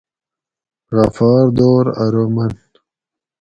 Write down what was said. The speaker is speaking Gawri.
غفار دور ارو من